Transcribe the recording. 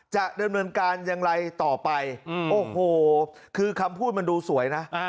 จะดำเนินการอย่างไรต่อไปโอ้โหคือคำพูดมันดูสวยนะ